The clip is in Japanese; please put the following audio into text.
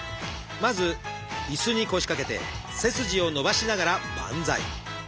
まず椅子に腰掛けて背筋を伸ばしながらバンザイ。